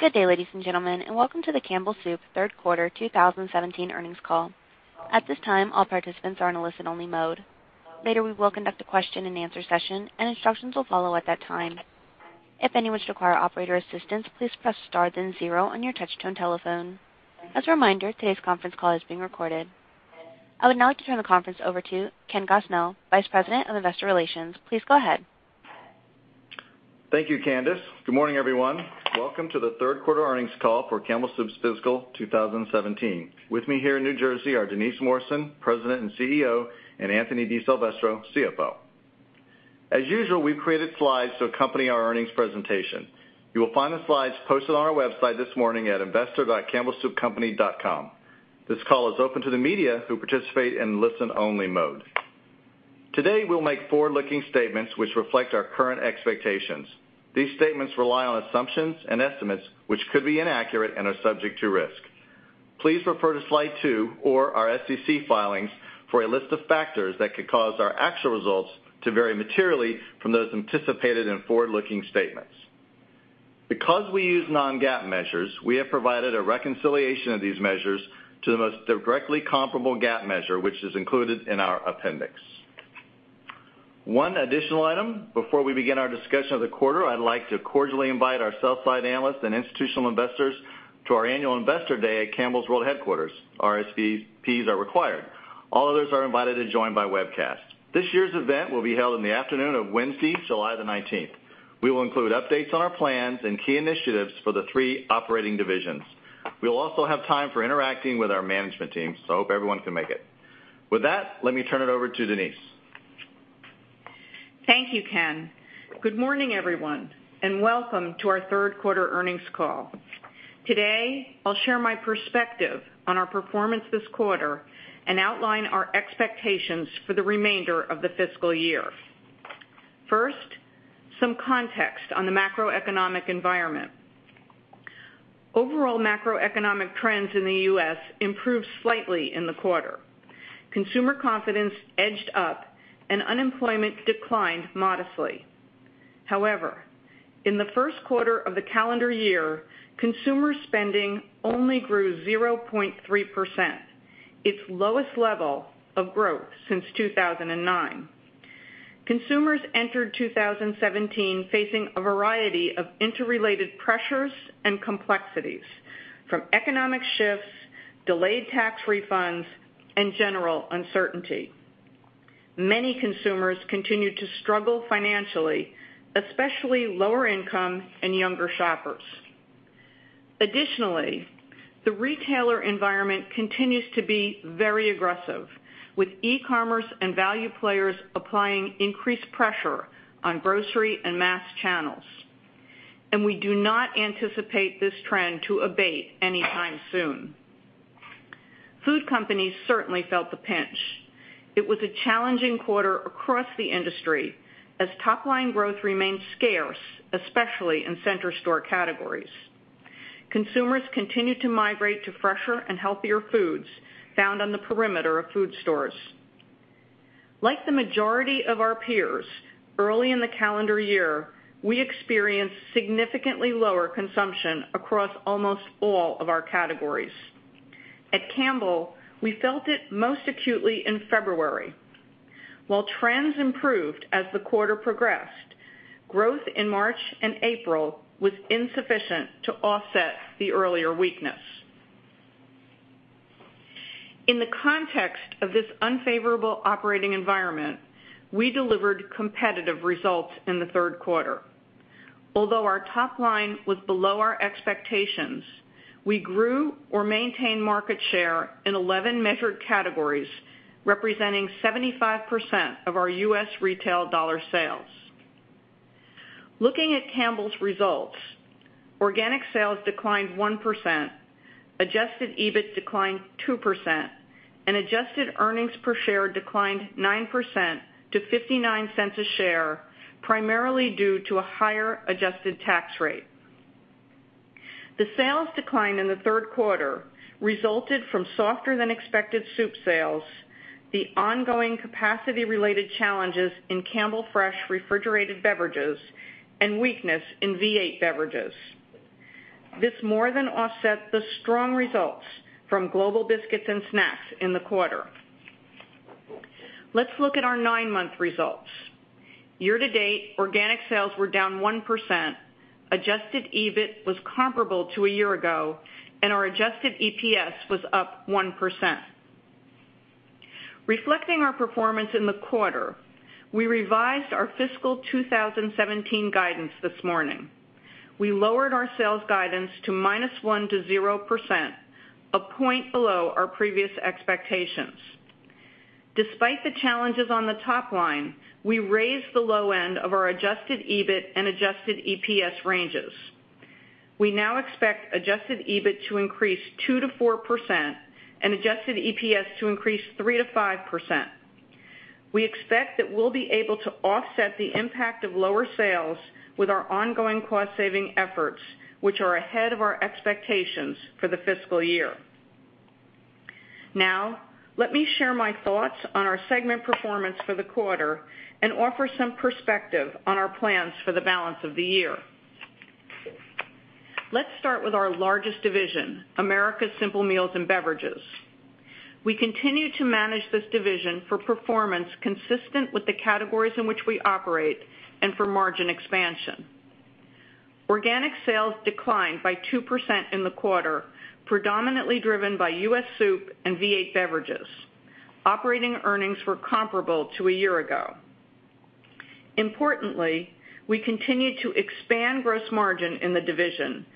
Good day, ladies and gentlemen, and welcome to the Campbell Soup third quarter 2017 earnings call. At this time, all participants are in a listen-only mode. Later, we will conduct a question and answer session, and instructions will follow at that time. If anyone should require operator assistance, please press star then zero on your touch-tone telephone. As a reminder, today's conference call is being recorded. I would now like to turn the conference over to Ken Gosnell, Vice President of Investor Relations. Please go ahead. Thank you, Candice. Good morning, everyone. Welcome to the third quarter earnings call for Campbell Soup's fiscal 2017. With me here in New Jersey are Denise Morrison, President and CEO, and Anthony DiSilvestro, CFO. As usual, we've created slides to accompany our earnings presentation. You will find the slides posted on our website this morning at investor.campbellsoupcompany.com. This call is open to the media, who participate in listen-only mode. Today, we'll make forward-looking statements which reflect our current expectations. These statements rely on assumptions and estimates, which could be inaccurate and are subject to risk. Please refer to Slide 2 or our SEC filings for a list of factors that could cause our actual results to vary materially from those anticipated in forward-looking statements. Because we use non-GAAP measures, we have provided a reconciliation of these measures to the most directly comparable GAAP measure, which is included in our appendix. One additional item before we begin our discussion of the quarter, I'd like to cordially invite our sell side analysts and institutional investors to our annual investor day at Campbell's World Headquarters. RSVPs are required. All others are invited to join by webcast. This year's event will be held in the afternoon of Wednesday, July the 19th. We will include updates on our plans and key initiatives for the three operating divisions. Hope everyone can make it. With that, let me turn it over to Denise. Thank you, Ken. Good morning, everyone. Welcome to our third quarter earnings call. Today, I'll share my perspective on our performance this quarter and outline our expectations for the remainder of the fiscal year. First, some context on the macroeconomic environment. Overall macroeconomic trends in the U.S. improved slightly in the quarter. Consumer confidence edged up, and unemployment declined modestly. However, in the first quarter of the calendar year, consumer spending only grew 0.3%, its lowest level of growth since 2009. Consumers entered 2017 facing a variety of interrelated pressures and complexities, from economic shifts, delayed tax refunds, and general uncertainty. Many consumers continued to struggle financially, especially lower income and younger shoppers. Additionally, the retailer environment continues to be very aggressive, with e-commerce and value players applying increased pressure on grocery and mass channels. We do not anticipate this trend to abate anytime soon. Food companies certainly felt the pinch. It was a challenging quarter across the industry as top-line growth remained scarce, especially in center store categories. Consumers continued to migrate to fresher and healthier foods found on the perimeter of food stores. Like the majority of our peers, early in the calendar year, we experienced significantly lower consumption across almost all of our categories. At Campbell, we felt it most acutely in February. While trends improved as the quarter progressed, growth in March and April was insufficient to offset the earlier weakness. In the context of this unfavorable operating environment, we delivered competitive results in the third quarter. Although our top-line was below our expectations, we grew or maintained market share in 11 measured categories, representing 75% of our U.S. retail dollar sales. Looking at Campbell's results, organic sales declined 1%, adjusted EBIT declined 2%, and adjusted earnings per share declined 9% to $0.59 a share, primarily due to a higher adjusted tax rate. The sales decline in the third quarter resulted from softer than expected soup sales, the ongoing capacity-related challenges in Campbell Fresh refrigerated beverages, and weakness in V8 beverages. This more than offset the strong results from Global Biscuits and Snacks in the quarter. Let's look at our nine-month results. Year-to-date, organic sales were down 1%, adjusted EBIT was comparable to a year ago, and our adjusted EPS was up 1%. Reflecting our performance in the quarter, we revised our fiscal 2017 guidance this morning. We lowered our sales guidance to -1% to 0%, a point below our previous expectations. Despite the challenges on the top-line, we raised the low end of our adjusted EBIT and adjusted EPS ranges. We now expect adjusted EBIT to increase 2%-4% and adjusted EPS to increase 3%-5%. We expect that we'll be able to offset the impact of lower sales with our ongoing cost-saving efforts, which are ahead of our expectations for the fiscal year. Now, let me share my thoughts on our segment performance for the quarter and offer some perspective on our plans for the balance of the year. Let's start with our largest division, Americas Simple Meals and Beverages. We continue to manage this division for performance consistent with the categories in which we operate and for margin expansion. Organic sales declined by 2% in the quarter, predominantly driven by U.S. soup and V8 beverages. Operating earnings were comparable to a year ago. Importantly, we continued to expand gross margin in the division,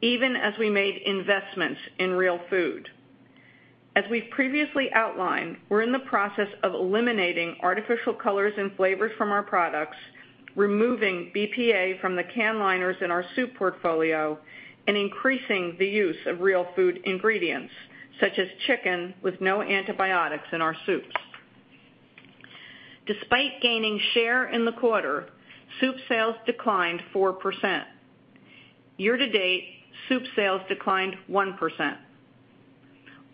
even as we made investments in real food. As we've previously outlined, we're in the process of eliminating artificial colors and flavors from our products, removing BPA from the can liners in our soup portfolio, and increasing the use of real food ingredients such as chicken with no antibiotics in our soups. Despite gaining share in the quarter, soup sales declined 4%. Year-to-date, soup sales declined 1%.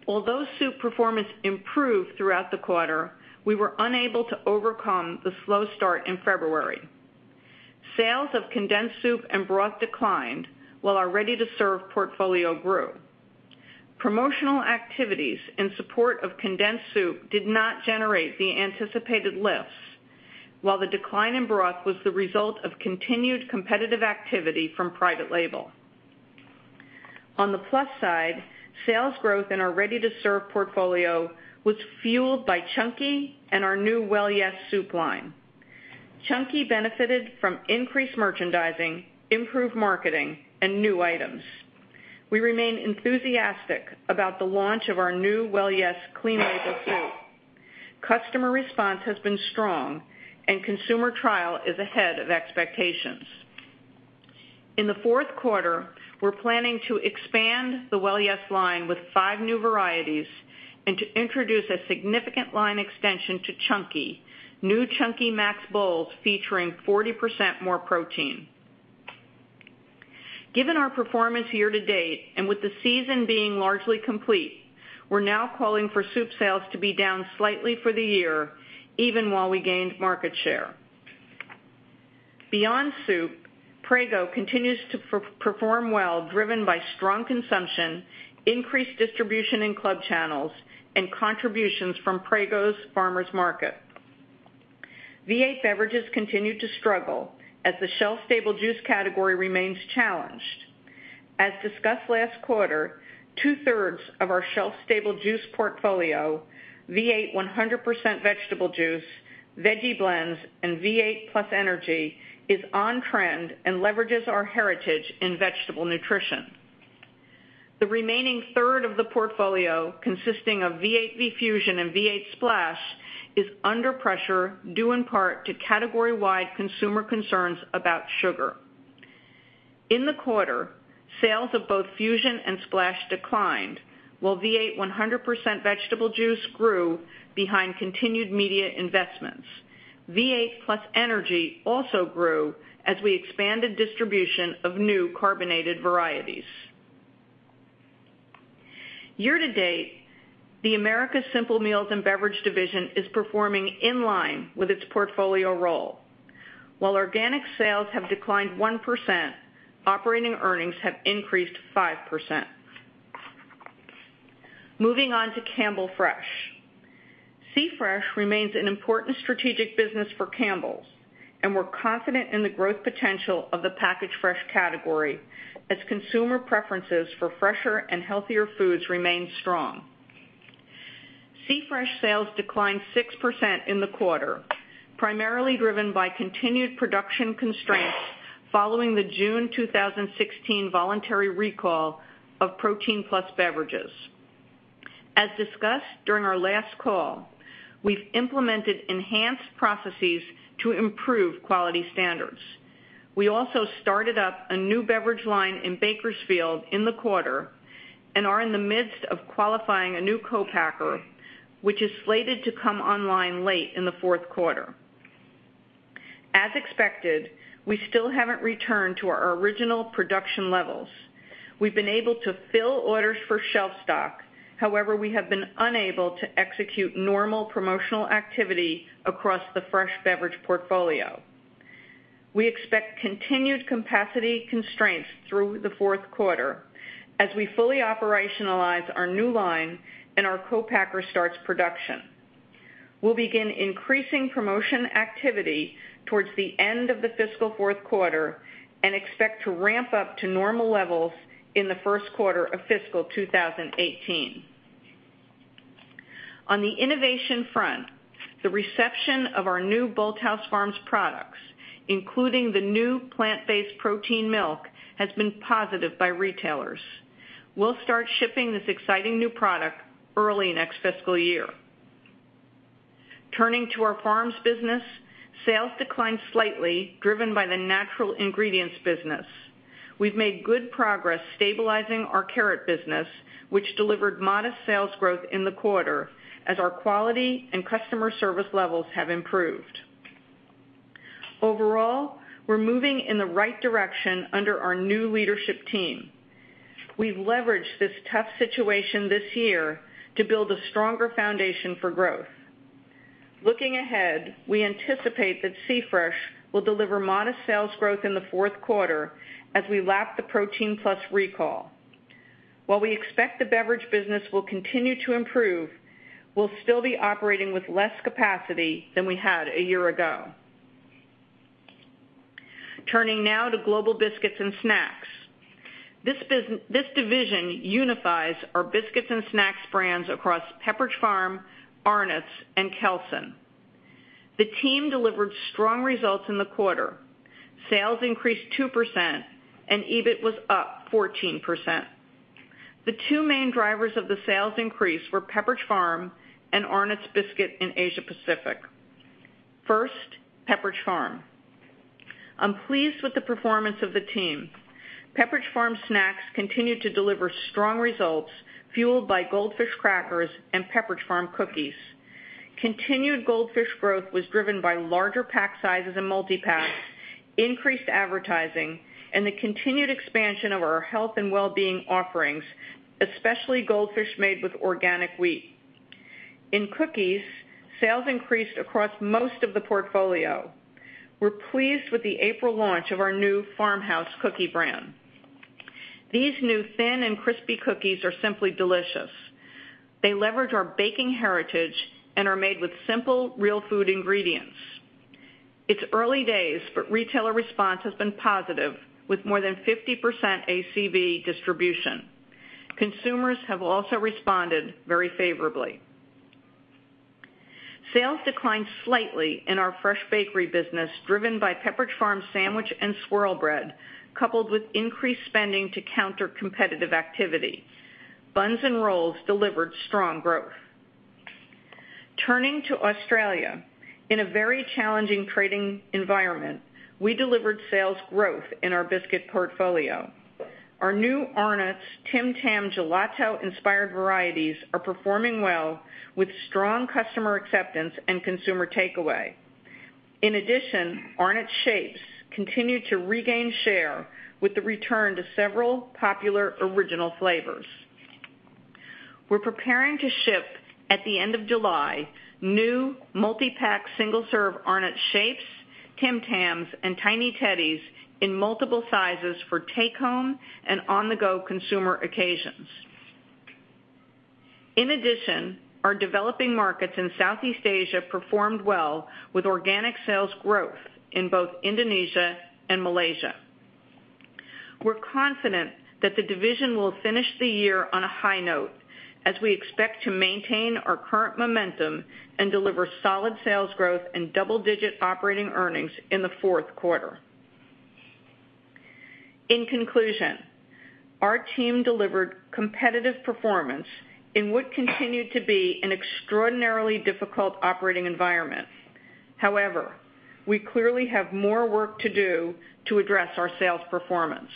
Although soup performance improved throughout the quarter, we were unable to overcome the slow start in February. Sales of condensed soup and broth declined while our ready-to-serve portfolio grew. Promotional activities in support of condensed soup did not generate the anticipated lifts, while the decline in broth was the result of continued competitive activity from private label. On the plus side, sales growth in our ready-to-serve portfolio was fueled by Chunky and our new Well Yes! soup line. Chunky benefited from increased merchandising, improved marketing, and new items. We remain enthusiastic about the launch of our new Well Yes! clean label soup. Customer response has been strong, and consumer trial is ahead of expectations. In the fourth quarter, we're planning to expand the Well Yes! line with five new varieties and to introduce a significant line extension to Chunky, new Chunky Maxx Bowls, featuring 40% more protein. Given our performance year-to-date and with the season being largely complete, we're now calling for soup sales to be down slightly for the year, even while we gained market share. Beyond soup, Prego continues to perform well, driven by strong consumption, increased distribution in club channels, and contributions from Prego Farmers' Market. V8 beverages continued to struggle as the shelf-stable juice category remains challenged. As discussed last quarter, two-thirds of our shelf-stable juice portfolio, V8 100% Vegetable Juice, Veggie Blends, and V8 +Energy, is on-trend and leverages our heritage in vegetable nutrition. The remaining third of the portfolio, consisting of V8 V-Fusion and V8 Splash, is under pressure due in part to category-wide consumer concerns about sugar. In the quarter, sales of both Fusion and Splash declined, while V8 100% Vegetable Juice grew behind continued media investments. V8 +Energy also grew as we expanded distribution of new carbonated varieties. Year-to-date, the Americas Simple Meals and Beverages division is performing in line with its portfolio role. While organic sales have declined 1%, operating earnings have increased 5%. Moving on to Campbell Fresh. C-Fresh remains an important strategic business for Campbell's, and we're confident in the growth potential of the packaged fresh category as consumer preferences for fresher and healthier foods remain strong. C-Fresh sales declined 6% in the quarter, primarily driven by continued production constraints following the June 2016 voluntary recall of Protein PLUS beverages. As discussed during our last call, we've implemented enhanced processes to improve quality standards. We also started up a new beverage line in Bakersfield in the quarter and are in the midst of qualifying a new co-packer, which is slated to come online late in the fourth quarter. As expected, we still haven't returned to our original production levels. We've been able to fill orders for shelf stock; however, we have been unable to execute normal promotional activity across the fresh beverage portfolio. We expect continued capacity constraints through the fourth quarter as we fully operationalize our new line and our co-packer starts production. We'll begin increasing promotion activity towards the end of the fiscal fourth quarter and expect to ramp up to normal levels in the first quarter of fiscal 2018. On the innovation front, the reception of our new Bolthouse Farms products, including the new plant-based protein milk, has been positive by retailers. We'll start shipping this exciting new product early next fiscal year. Turning to our Farms business, sales declined slightly, driven by the natural ingredients business. We've made good progress stabilizing our carrot business, which delivered modest sales growth in the quarter as our quality and customer service levels have improved. Overall, we're moving in the right direction under our new leadership team. We've leveraged this tough situation this year to build a stronger foundation for growth. Looking ahead, we anticipate that C-Fresh will deliver modest sales growth in the fourth quarter as we lap the Protein PLUS recall. While we expect the beverage business will continue to improve, we'll still be operating with less capacity than we had a year ago. Turning now to Global Biscuits and Snacks. This division unifies our biscuits and snacks brands across Pepperidge Farm, Arnott's, and Kelsen. The team delivered strong results in the quarter. Sales increased 2%, and EBIT was up 14%. The two main drivers of the sales increase were Pepperidge Farm and Arnott's Biscuit in Asia Pacific. First, Pepperidge Farm. I'm pleased with the performance of the team. Pepperidge Farm snacks continued to deliver strong results fueled by Goldfish crackers and Pepperidge Farm cookies. Continued Goldfish growth was driven by larger pack sizes and multi-packs, increased advertising, and the continued expansion of our health and wellbeing offerings, especially Goldfish made with organic wheat. In cookies, sales increased across most of the portfolio. We're pleased with the April launch of our new Farmhouse cookie brand. These new thin and crispy cookies are simply delicious. They leverage our baking heritage and are made with simple, real-food ingredients. It's early days, but retailer response has been positive, with more than 50% ACV distribution. Consumers have also responded very favorably. Sales declined slightly in our fresh bakery business, driven by Pepperidge Farm's Sandwich and Swirl bread, coupled with increased spending to counter competitive activity. Buns and rolls delivered strong growth. Turning to Australia, in a very challenging trading environment, we delivered sales growth in our biscuit portfolio. Our new Arnott's Tim Tam gelato-inspired varieties are performing well with strong customer acceptance and consumer takeaway. In addition, Arnott's Shapes continued to regain share with the return to several popular original flavors. We're preparing to ship, at the end of July, new multi-pack, single-serve Arnott's Shapes, Tim Tams, and Tiny Teddies in multiple sizes for take-home and on-the-go consumer occasions. In addition, our developing markets in Southeast Asia performed well with organic sales growth in both Indonesia and Malaysia. We're confident that the division will finish the year on a high note as we expect to maintain our current momentum and deliver solid sales growth and double-digit operating earnings in the fourth quarter. In conclusion, our team delivered competitive performance in what continued to be an extraordinarily difficult operating environment. We clearly have more work to do to address our sales performance.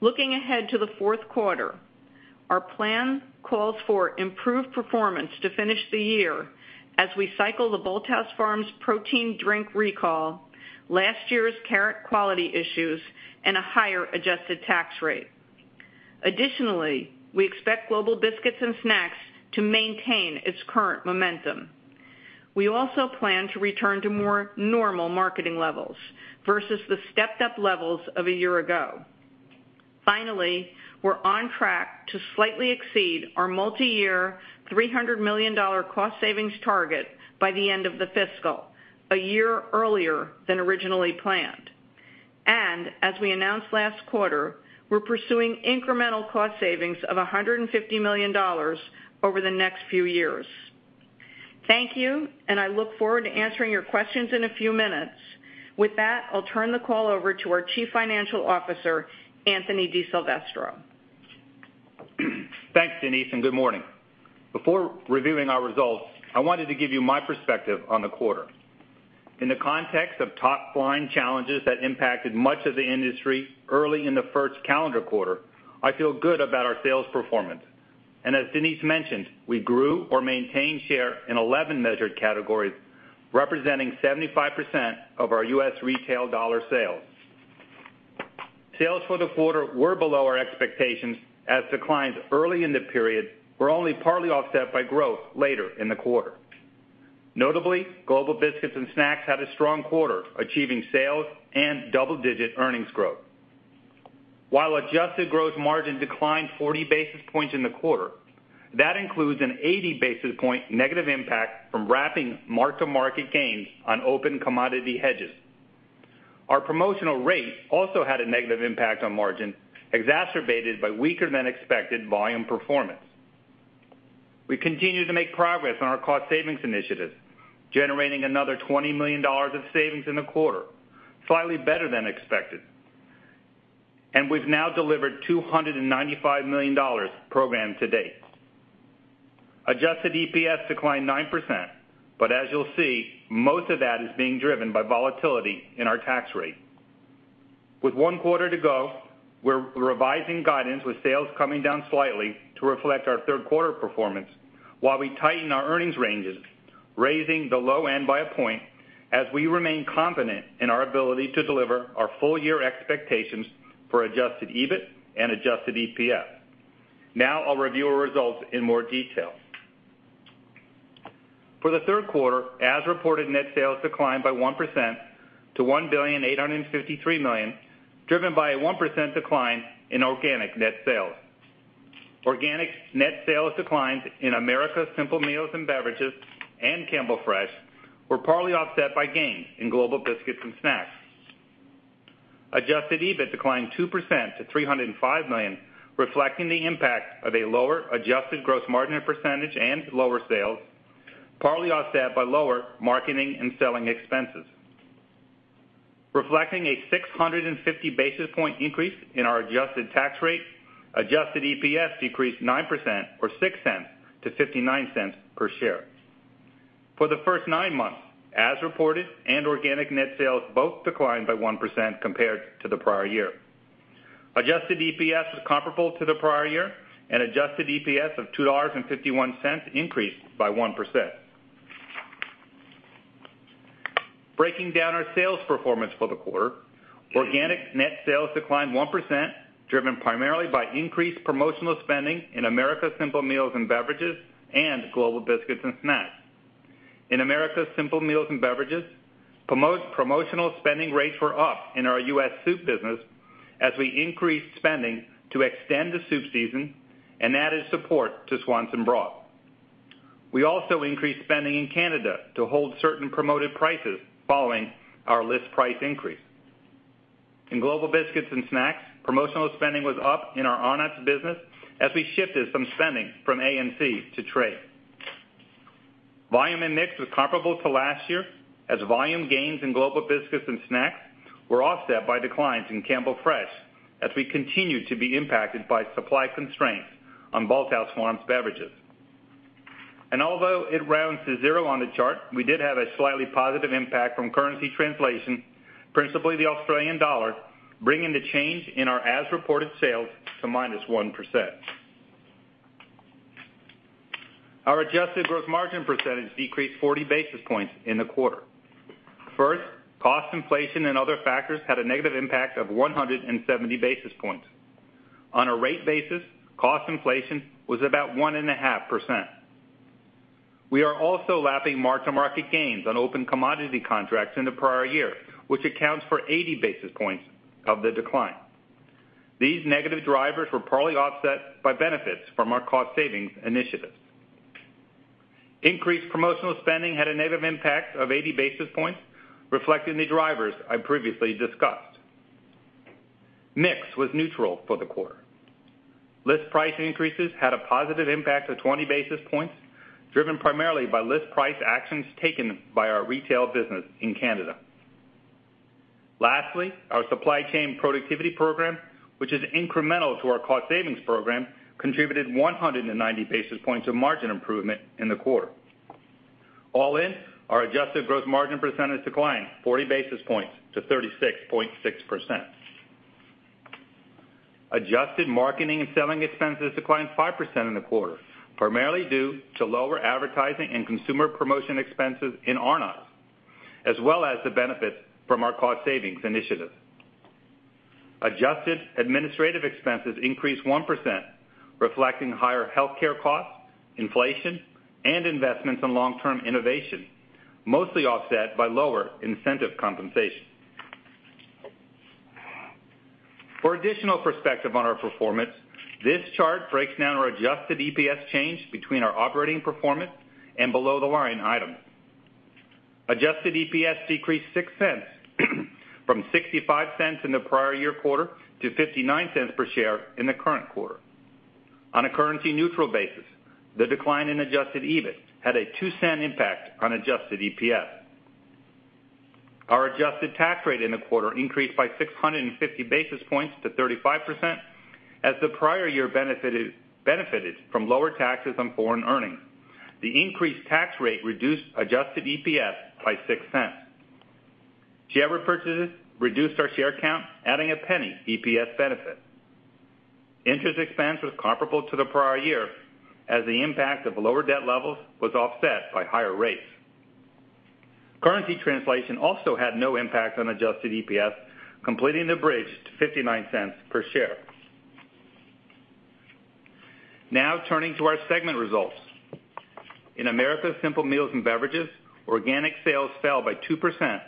Looking ahead to the fourth quarter, our plan calls for improved performance to finish the year as we cycle the Bolthouse Farms protein drink recall, last year's carrot quality issues, and a higher adjusted tax rate. Additionally, we expect Global Biscuits and Snacks to maintain its current momentum. We also plan to return to more normal marketing levels versus the stepped-up levels of a year ago. Finally, we're on track to slightly exceed our multi-year $300 million cost savings target by the end of the fiscal, a year earlier than originally planned. As we announced last quarter, we're pursuing incremental cost savings of $150 million over the next few years. Thank you. I look forward to answering your questions in a few minutes. With that, I'll turn the call over to our Chief Financial Officer, Anthony DiSilvestro. Thanks, Denise, and good morning. Before reviewing our results, I wanted to give you my perspective on the quarter. In the context of top-line challenges that impacted much of the industry early in the first calendar quarter, I feel good about our sales performance. As Denise mentioned, we grew or maintained share in 11 measured categories, representing 75% of our U.S. retail dollar sales. Sales for the quarter were below our expectations as declines early in the period were only partly offset by growth later in the quarter. Notably, Global Biscuits and Snacks had a strong quarter, achieving sales and double-digit earnings growth. While adjusted gross margin declined 40 basis points in the quarter, that includes an 80 basis point negative impact from wrapping mark-to-market gains on open commodity hedges. Our promotional rate also had a negative impact on margin, exacerbated by weaker than expected volume performance. We continue to make progress on our cost savings initiatives, generating another $20 million of savings in the quarter, slightly better than expected. We've now delivered $295 million program to date. Adjusted EPS declined 9%. As you'll see, most of that is being driven by volatility in our tax rate. With one quarter to go, we're revising guidance with sales coming down slightly to reflect our third quarter performance while we tighten our earnings ranges, raising the low end by one point as we remain confident in our ability to deliver our full-year expectations for adjusted EBIT and adjusted EPS. I'll review our results in more detail. For the third quarter, as-reported net sales declined by 1% to $1.853 billion, driven by a 1% decline in organic net sales. Organic net sales declines in Americas Simple Meals and Beverages and Campbell Fresh were partly offset by gains in Global Biscuits and Snacks. Adjusted EBIT declined 2% to $305 million, reflecting the impact of a lower adjusted gross margin percentage and lower sales, partly offset by lower marketing and selling expenses. Reflecting a 650-basis-point increase in our adjusted tax rate, adjusted EPS decreased 9%, or $0.06 to $0.59 per share. For the first nine months, as reported and organic net sales both declined by 1% compared to the prior year. Adjusted EPS was comparable to the prior year. Adjusted EPS of $2.51 increased by 1%. Breaking down our sales performance for the quarter, organic net sales declined 1%, driven primarily by increased promotional spending in Americas Simple Meals and Beverages and Global Biscuits and Snacks. In Americas Simple Meals and Beverages, promotional spending rates were up in our U.S. soup business as we increased spending to extend the soup season and added support to Swanson broth. We also increased spending in Canada to hold certain promoted prices following our list price increase. In Global Biscuits and Snacks, promotional spending was up in our Arnott's business as we shifted some spending from A&C to trade. Volume and mix was comparable to last year as volume gains in Global Biscuits and Snacks were offset by declines in Campbell Fresh as we continued to be impacted by supply constraints on Bolthouse Farms beverages. Although it rounds to zero on the chart, we did have a slightly positive impact from currency translation, principally the Australian dollar, bringing the change in our as-reported sales to minus 1%. Our adjusted gross margin percentage decreased 40 basis points in the quarter. cost inflation and other factors had a negative impact of 170 basis points. On a rate basis, cost inflation was about 1.5%. We are also lapping mark-to-market gains on open commodity contracts in the prior year, which accounts for 80 basis points of the decline. These negative drivers were partly offset by benefits from our cost savings initiatives. Increased promotional spending had a negative impact of 80 basis points, reflecting the drivers I previously discussed. Mix was neutral for the quarter. List price increases had a positive impact of 20 basis points, driven primarily by list price actions taken by our retail business in Canada. Lastly, our supply chain productivity program, which is incremental to our cost savings program, contributed 190 basis points of margin improvement in the quarter. All in, our adjusted gross margin percentage declined 40 basis points to 36.6%. Adjusted marketing and selling expenses declined 5% in the quarter, primarily due to lower advertising and consumer promotion expenses in Arnott's, as well as the benefits from our cost savings initiatives. Adjusted administrative expenses increased 1%, reflecting higher healthcare costs, inflation, and investments in long-term innovation, mostly offset by lower incentive compensation. For additional perspective on our performance, this chart breaks down our adjusted EPS change between our operating performance and below-the-line items. Adjusted EPS decreased $0.06 from $0.65 in the prior year quarter to $0.59 per share in the current quarter. On a currency-neutral basis, the decline in adjusted EBIT had a $0.02 impact on adjusted EPS. Our adjusted tax rate in the quarter increased by 650 basis points to 35%, as the prior year benefited from lower taxes on foreign earnings. The increased tax rate reduced adjusted EPS by $0.06. Share repurchases reduced our share count, adding a penny EPS benefit. Interest expense was comparable to the prior year as the impact of lower debt levels was offset by higher rates. Currency translation also had no impact on adjusted EPS, completing the bridge to $0.59 per share. turning to our segment results. In Americas Simple Meals and Beverages, organic sales fell by 2%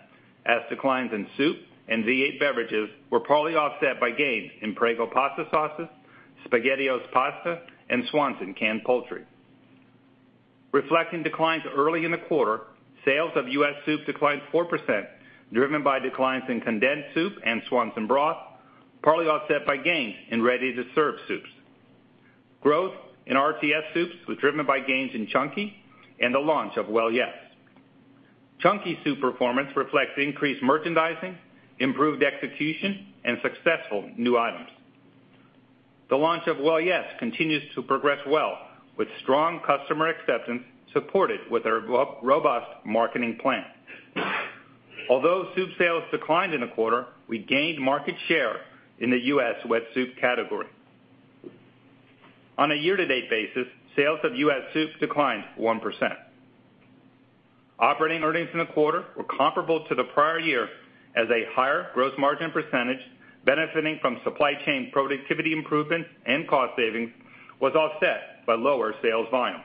as declines in soup and V8 beverages were partly offset by gains in Prego pasta sauces, SpaghettiOs pasta, and Swanson canned poultry. Reflecting declines early in the quarter, sales of U.S. soup declined 4%, driven by declines in condensed soup and Swanson broth, partly offset by gains in ready-to-serve soups. Growth in RTS soups was driven by gains in Chunky and the launch of Well Yes!. Chunky soup performance reflects increased merchandising, improved execution, and successful new items. The launch of Well Yes continues to progress well, with strong customer acceptance supported with a robust marketing plan. Although soup sales declined in the quarter, we gained market share in the U.S. wet soup category. On a year-to-date basis, sales of U.S. soup declined 1%. Operating earnings in the quarter were comparable to the prior year as a higher gross margin percentage benefiting from supply chain productivity improvements and cost savings was offset by lower sales volume.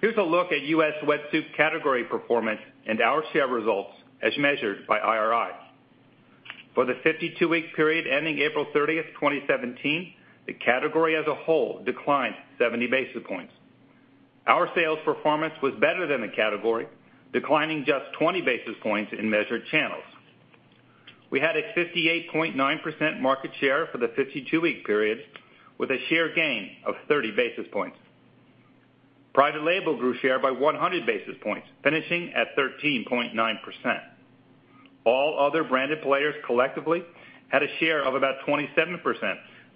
Here's a look at U.S. wet soup category performance and our share results as measured by IRI. For the 52-week period ending April 30th, 2017, the category as a whole declined 70 basis points. Our sales performance was better than the category, declining just 20 basis points in measured channels. We had a 58.9% market share for the 52-week period with a share gain of 30 basis points. Private label grew share by 100 basis points, finishing at 13.9%. All other branded players collectively had a share of about 27%,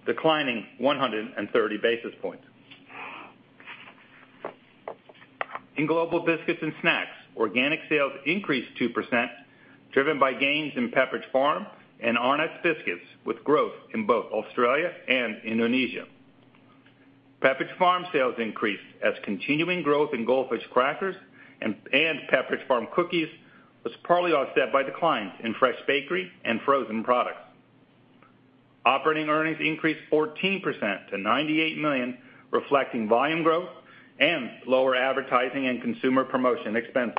declining 130 basis points. In Global Biscuits and Snacks, organic sales increased 2%, driven by gains in Pepperidge Farm and Arnott's Biscuits, with growth in both Australia and Indonesia. Pepperidge Farm sales increased as continuing growth in Goldfish crackers and Pepperidge Farm cookies was partly offset by declines in fresh bakery and frozen products. Operating earnings increased 14% to $98 million, reflecting volume growth and lower advertising and consumer promotion expenses.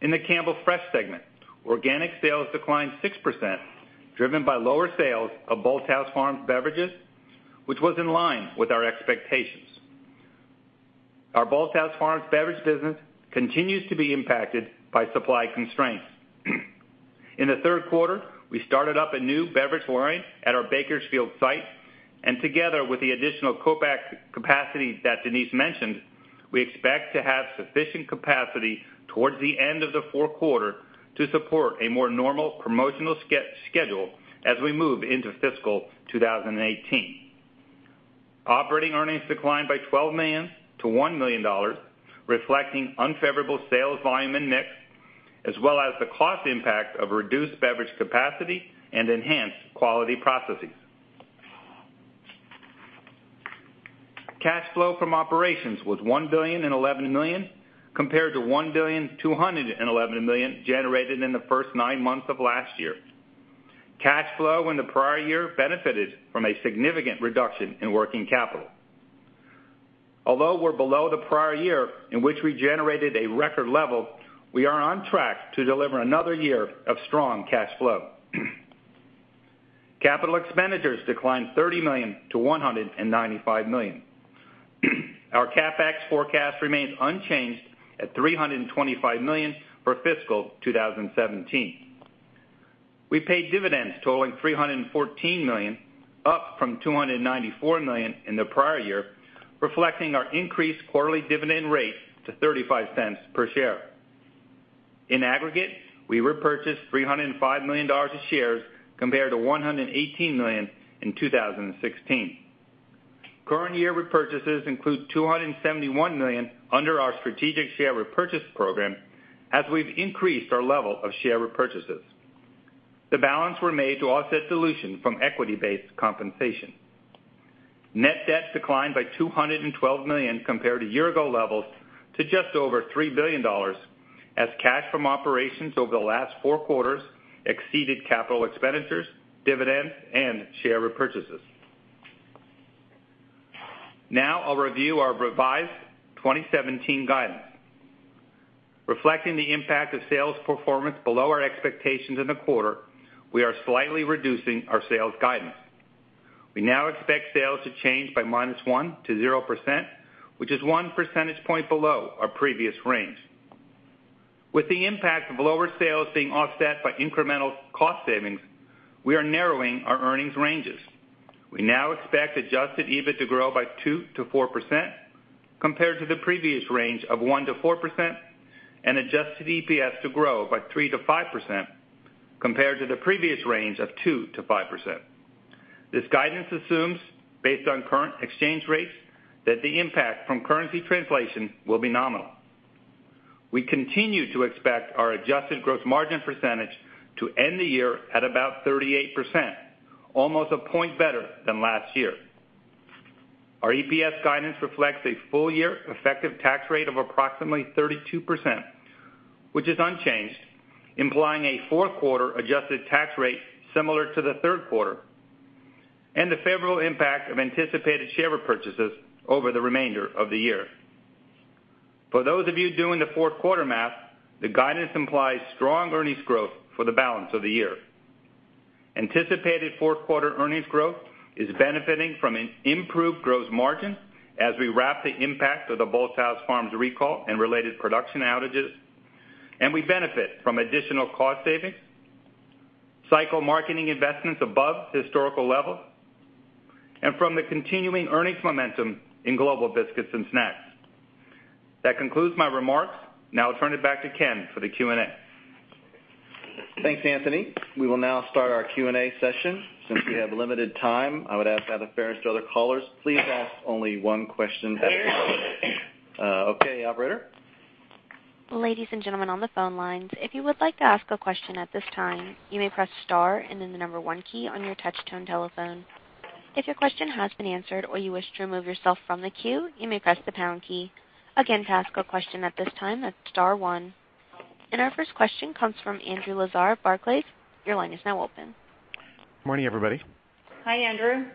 In the Campbell Fresh segment, organic sales declined 6%, driven by lower sales of Bolthouse Farms beverages, which was in line with our expectations. Our Bolthouse Farms beverage business continues to be impacted by supply constraints. In the third quarter, we started up a new beverage line at our Bakersfield site, and together with the additional co-pack capacity that Denise mentioned, we expect to have sufficient capacity towards the end of the fourth quarter to support a more normal promotional schedule as we move into fiscal 2018. Operating earnings declined by $12 million to $1 million, reflecting unfavorable sales volume and mix, as well as the cost impact of reduced beverage capacity and enhanced quality processes. Cash flow from operations was $1,011 million, compared to $1,211 million generated in the first nine months of last year. Cash flow in the prior year benefited from a significant reduction in working capital. Although we're below the prior year, in which we generated a record level, we are on track to deliver another year of strong cash flow. Capital expenditures declined $30 million to $195 million. Our CapEx forecast remains unchanged at $325 million for fiscal 2017. We paid dividends totaling $314 million, up from $294 million in the prior year, reflecting our increased quarterly dividend rate to $0.35 per share. In aggregate, we repurchased $305 million of shares compared to $118 million in 2016. Current year repurchases include $271 million under our strategic share repurchase program, as we've increased our level of share repurchases. The balance were made to offset dilution from equity-based compensation. Net debt declined by $212 million compared to year-ago levels to just over $3 billion, as cash from operations over the last four quarters exceeded capital expenditures, dividends, and share repurchases. Now I'll review our revised 2017 guidance. Reflecting the impact of sales performance below our expectations in the quarter, we are slightly reducing our sales guidance. We now expect sales to change by -1% to 0%, which is one percentage point below our previous range. With the impact of lower sales being offset by incremental cost savings, we are narrowing our earnings ranges. We now expect adjusted EBIT to grow by 2% to 4%, compared to the previous range of 1% to 4%, and adjusted EPS to grow by 3% to 5%, compared to the previous range of 2% to 5%. This guidance assumes, based on current exchange rates, that the impact from currency translation will be nominal. We continue to expect our adjusted gross margin percentage to end the year at about 38%, almost a point better than last year. Our EPS guidance reflects a full-year effective tax rate of approximately 32%, which is unchanged, implying a fourth quarter adjusted tax rate similar to the third quarter, and the favorable impact of anticipated share repurchases over the remainder of the year. For those of you doing the fourth quarter math, the guidance implies strong earnings growth for the balance of the year. Anticipated fourth quarter earnings growth is benefiting from an improved gross margin as we wrap the impact of the Bolthouse Farms recall and related production outages, and we benefit from additional cost savings, cycle marketing investments above historical level, and from the continuing earnings momentum in Global Biscuits and Snacks. That concludes my remarks. Now I'll turn it back to Ken for the Q&A. Thanks, Anthony. We will now start our Q&A session. Since we have limited time, I would ask out of fairness to other callers, please ask only one question at a time. Okay, operator? Ladies and gentlemen on the phone lines, if you would like to ask a question at this time, you may press star and then the number one key on your touch-tone telephone. If your question has been answered or you wish to remove yourself from the queue, you may press the pound key. Again, to ask a question at this time, that's star one. Our first question comes from Andrew Lazar of Barclays. Your line is now open. Morning, everybody. Hi, Andrew.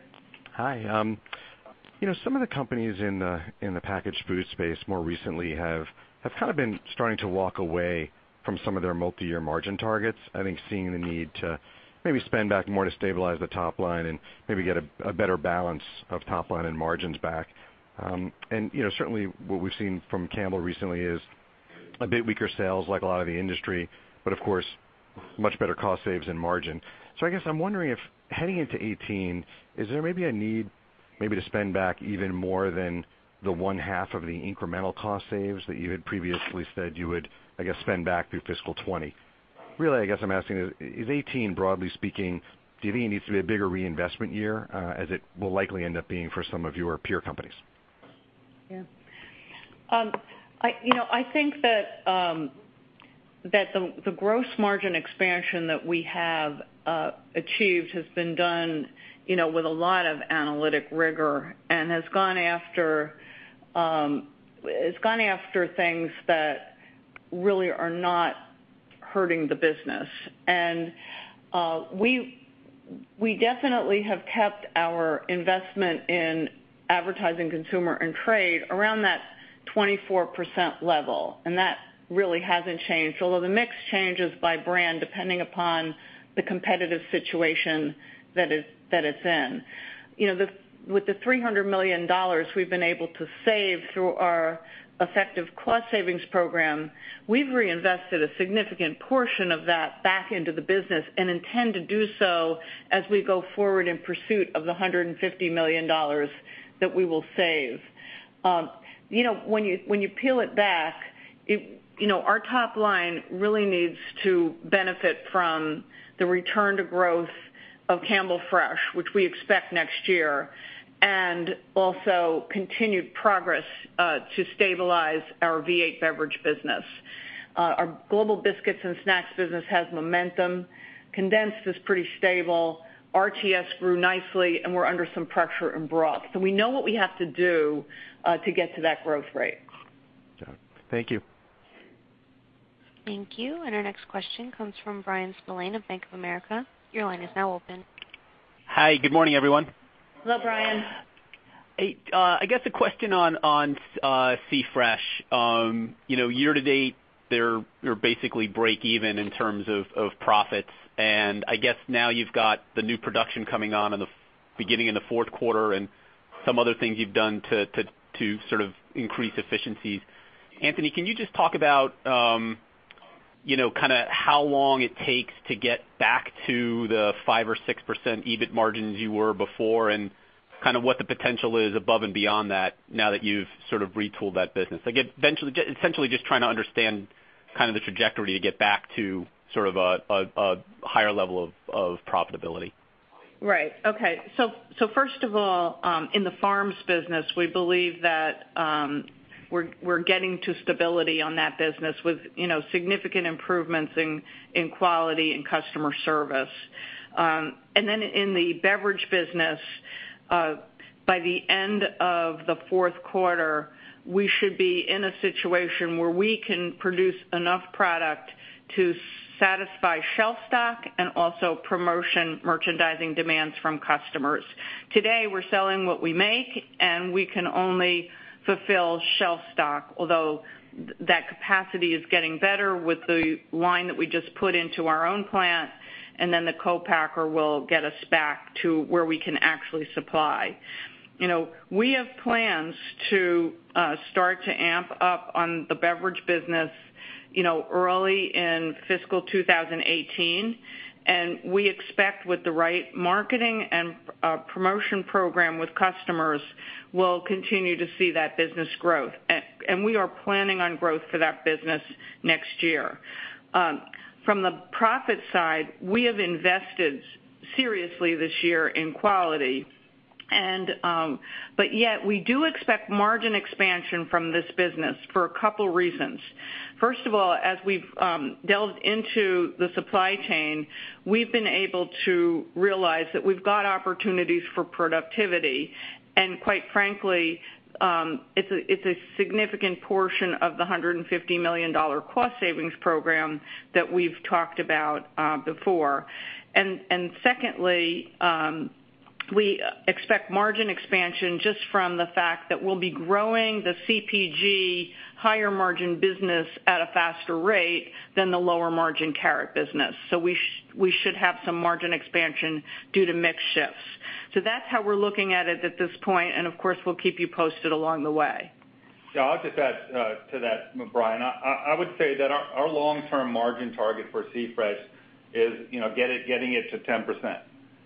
Hi. Some of the companies in the packaged food space more recently have kind of been starting to walk away from some of their multi-year margin targets. I think seeing the need to maybe spend back more to stabilize the top line and maybe get a better balance of top line and margins back. Certainly what we've seen from Campbell recently is a bit weaker sales like a lot of the industry, but of course much better cost saves and margin. I guess I'm wondering if heading into 2018, is there maybe a need maybe to spend back even more than the one half of the incremental cost saves that you had previously said you would, I guess, spend back through fiscal 2020? Really, I guess I'm asking is 2018, broadly speaking, do you think it needs to be a bigger reinvestment year, as it will likely end up being for some of your peer companies? I think that the gross margin expansion that we have achieved has been done with a lot of analytic rigor and it's gone after things that really are not hurting the business. We definitely have kept our investment in advertising consumer and trade around that 24% level, and that really hasn't changed. The mix changes by brand, depending upon the competitive situation that it's in. With the $300 million we've been able to save through our effective cost savings program, we've reinvested a significant portion of that back into the business and intend to do so as we go forward in pursuit of the $150 million that we will save. When you peel it back, our top line really needs to benefit from the return to growth of Campbell Fresh, which we expect next year, and also continued progress to stabilize our V8 beverage business. Our Global Biscuits and Snacks business has momentum. Condensed is pretty stable. RTS grew nicely, and we're under some pressure in broth. We know what we have to do to get to that growth rate. Got it. Thank you. Thank you. Our next question comes from Bryan Spillane of Bank of America. Your line is now open. Hi. Good morning, everyone. Hello, Bryan. I guess a question on C-Fresh. Year to date, they're basically break even in terms of profits, and I guess now you've got the new production coming on beginning in the fourth quarter and some other things you've done to sort of increase efficiencies. Anthony, can you just talk about kind of how long it takes to get back to the 5% or 6% EBIT margins you were before and kind of what the potential is above and beyond that now that you've sort of retooled that business? Essentially just trying to understand kind of the trajectory to get back to sort of a higher level of profitability. Right. Okay. First of all, in the farms business, we believe that we're getting to stability on that business with significant improvements in quality and customer service. In the beverage business, by the end of the fourth quarter, we should be in a situation where we can produce enough product to satisfy shelf stock and also promotion merchandising demands from customers. Today, we're selling what we make, and we can only fulfill shelf stock, although that capacity is getting better with the line that we just put into our own plant, and then the co-packer will get us back to where we can actually supply. We have plans to start to amp up on the beverage business early in fiscal 2018. We expect with the right marketing and promotion program with customers, we'll continue to see that business growth. We are planning on growth for that business next year. From the profit side, we have invested seriously this year in quality. Yet we do expect margin expansion from this business for a couple reasons. First of all, as we've delved into the supply chain, we've been able to realize that we've got opportunities for productivity. Quite frankly, it's a significant portion of the $150 million cost savings program that we've talked about before. Secondly, we expect margin expansion just from the fact that we'll be growing the CPG higher margin business at a faster rate than the lower margin carrot business. We should have some margin expansion due to mix shifts. That's how we're looking at it at this point, and of course, we'll keep you posted along the way. Yeah, I'll just add to that, Bryan. I would say that our long-term margin target for C-Fresh is getting it to 10%.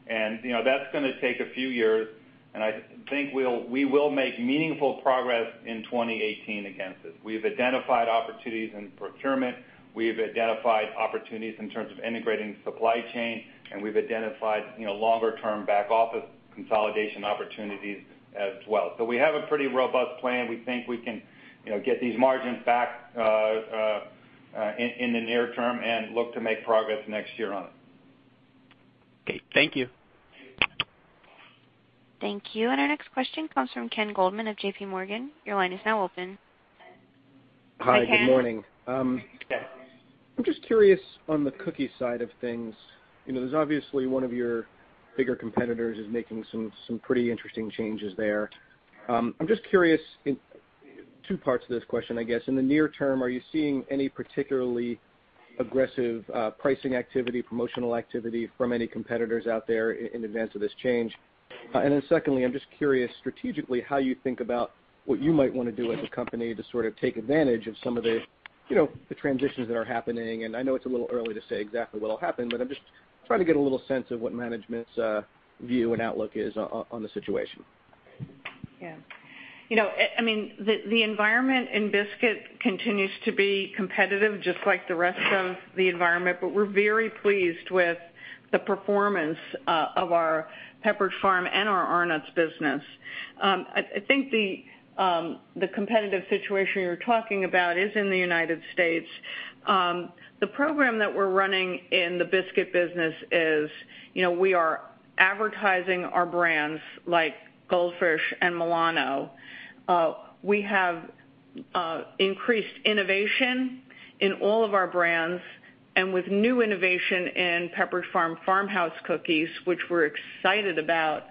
That's going to take a few years, and I think we will make meaningful progress in 2018 against this. We have identified opportunities in procurement. We have identified opportunities in terms of integrating supply chain, and we've identified longer-term back office consolidation opportunities as well. We have a pretty robust plan. We think we can get these margins back in the near term and look to make progress next year on it. Okay, thank you. Thank you. Our next question comes from Ken Goldman of J.P. Morgan. Your line is now open. Hi, good morning. Hi, Ken. I'm just curious on the cookie side of things. There's obviously one of your bigger competitors is making some pretty interesting changes there. I'm just curious in two parts of this question, I guess. In the near term, are you seeing any particularly aggressive pricing activity, promotional activity from any competitors out there in advance of this change? Then secondly, I'm just curious strategically how you think about what you might want to do as a company to sort of take advantage of some of the transitions that are happening. I know it's a little early to say exactly what'll happen, but I'm just trying to get a little sense of what management's view and outlook is on the situation. Yeah. The environment in Biscuit continues to be competitive, just like the rest of the environment, but we're very pleased with the performance of our Pepperidge Farm and our Arnott's business. I think the competitive situation you're talking about is in the United States. The program that we're running in the Biscuit business is we are advertising our brands like Goldfish and Milano. We have increased innovation in all of our brands and with new innovation in Pepperidge Farm Farmhouse cookies, which we're excited about.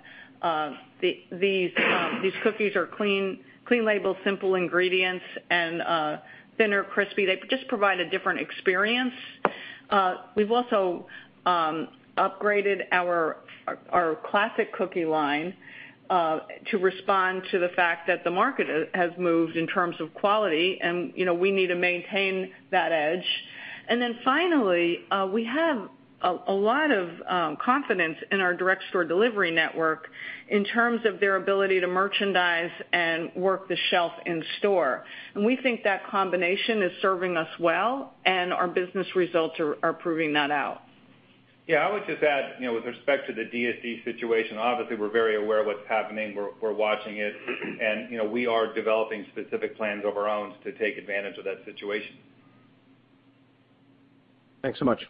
These cookies are clean label, simple ingredients, and thinner, crispy. They just provide a different experience. We've also upgraded our classic cookie line to respond to the fact that the market has moved in terms of quality, and we need to maintain that edge. Finally, we have a lot of confidence in our direct store delivery network in terms of their ability to merchandise and work the shelf in store. We think that combination is serving us well, and our business results are proving that out. Yeah, I would just add with respect to the DSD situation, obviously, we're very aware of what's happening. We're watching it. We are developing specific plans of our own to take advantage of that situation. Thanks so much.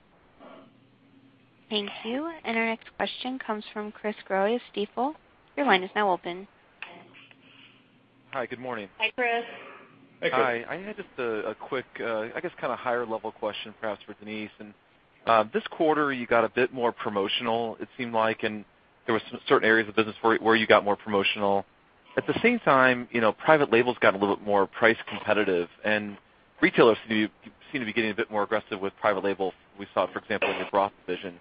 Thank you. Our next question comes from Chris Growe of Stifel. Your line is now open. Hi, good morning. Hi, Chris. Hi, I had just a quick, I guess kind of higher-level question perhaps for Denise. This quarter you got a bit more promotional, it seemed like, and there was certain areas of business where you got more promotional. At the same time, private labels got a little bit more price competitive, and retailers seem to be getting a bit more aggressive with private labels. We saw, for example, in your broth division.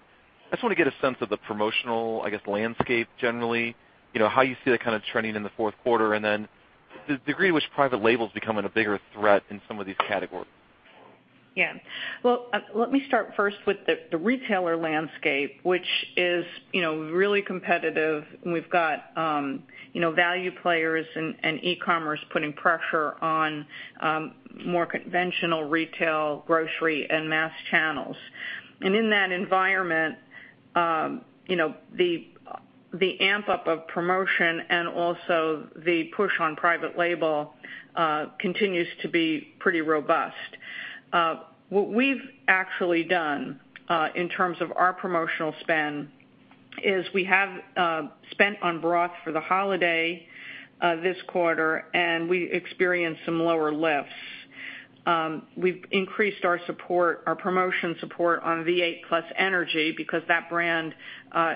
I just want to get a sense of the promotional, I guess, landscape generally, how you see that kind of trending in the fourth quarter, and then the degree to which private labels become a bigger threat in some of these categories. Well, let me start first with the retailer landscape, which is really competitive. We've got value players and e-commerce putting pressure on more conventional retail, grocery, and mass channels. In that environment, the amp up of promotion and also the push on private label continues to be pretty robust. What we've actually done in terms of our promotional spend is we have spent on broth for the holiday this quarter. We experienced some lower lifts. We've increased our promotion support on V8 +Energy because that brand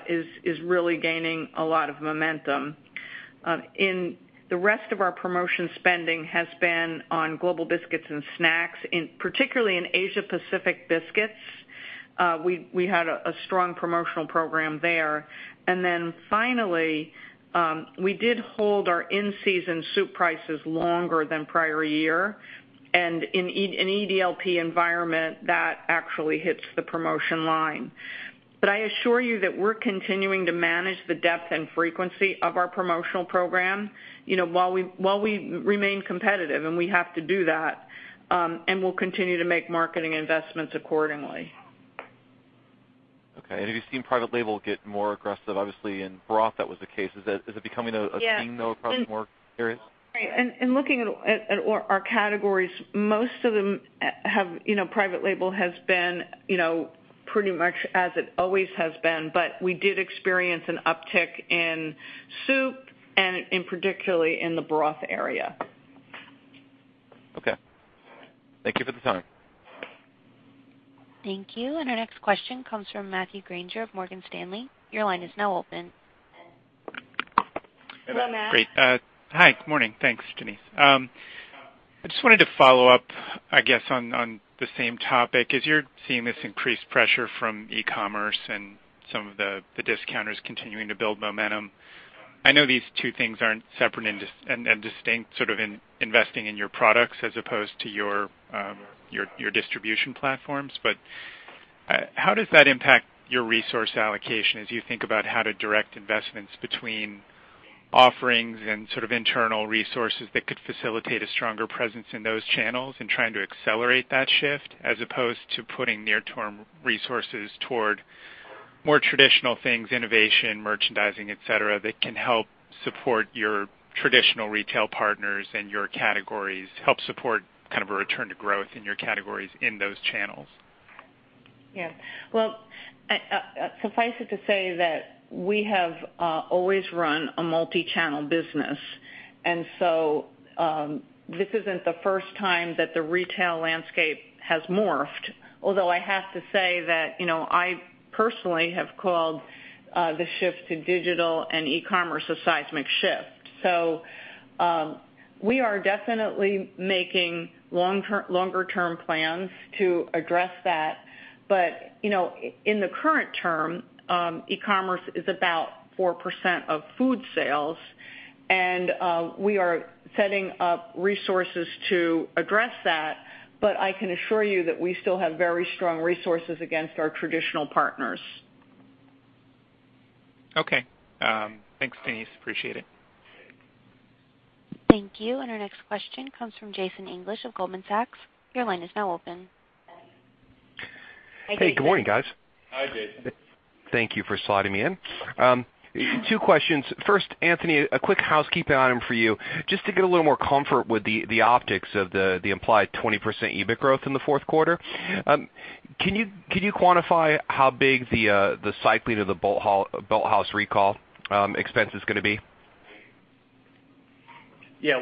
is really gaining a lot of momentum. The rest of our promotion spending has been on Global Biscuits and Snacks, particularly in Asia Pacific biscuits. We had a strong promotional program there. Finally, we did hold our in-season soup prices longer than prior year, and in EDLP environment, that actually hits the promotion line. I assure you that we're continuing to manage the depth and frequency of our promotional program while we remain competitive. We have to do that, and we'll continue to make marketing investments accordingly. Have you seen private label get more aggressive? Obviously in broth that was the case. Is it becoming a theme though across more areas? In looking at our categories, most of them private label has been pretty much as it always has been. We did experience an uptick in soup and particularly in the broth area. Okay. Thank you for the time. Thank you. Our next question comes from Matthew Grainger of Morgan Stanley. Your line is now open. Hello, Matt. Great. Hi. Good morning. Thanks, Denise. I just wanted to follow up, I guess, on the same topic. As you're seeing this increased pressure from e-commerce and some of the discounters continuing to build momentum. I know these two things aren't separate and distinct, sort of investing in your products as opposed to your distribution platforms. How does that impact your resource allocation as you think about how to direct investments between offerings and internal resources that could facilitate a stronger presence in those channels and trying to accelerate that shift, as opposed to putting near-term resources toward more traditional things, innovation, merchandising, et cetera, that can help support your traditional retail partners and your categories, help support a return to growth in your categories in those channels? Yes. Well, suffice it to say that we have always run a multi-channel business, this isn't the first time that the retail landscape has morphed. Although I have to say that, I personally have called the shift to digital and e-commerce a seismic shift. We are definitely making longer-term plans to address that. In the current term, e-commerce is about 4% of food sales, and we are setting up resources to address that, but I can assure you that we still have very strong resources against our traditional partners. Okay. Thanks, Denise. Appreciate it. Thank you. Our next question comes from Jason English of Goldman Sachs. Your line is now open. Hey, good morning, guys. Hi, Jason. Thank you for slotting me in. Two questions. First, Anthony, a quick housekeeping item for you, just to get a little more comfort with the optics of the implied 20% EBIT growth in the fourth quarter. Can you quantify how big the cycling of the Bolthouse recall expense is going to be? Yeah.